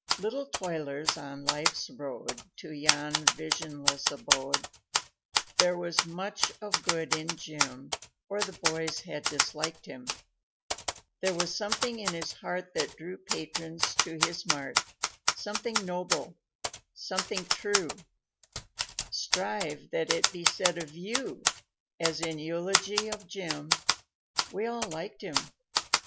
Little toilers on Life's road To yon visionless abode, There was much of good in Jim Or the boys had disliked him; There was something in his heart That drew patrons to his mart, Something noble, something true Strive that it be said of you As in eulogy of Jim, "We all liked him."